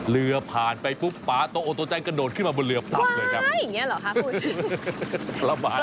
เรือผ่านไปปุ๊บป๊าตัวโอโตแจ้งกระโดดขึ้นมาบนเรือปลั๊บเลยครับว้ายอย่างเงี้ยเหรอคะพูด